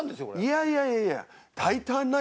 いやいやいやいや。